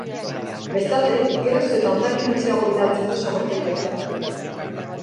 Bestalde, geroz eta hondakin gutxiago bidaltzen du zabortegietara.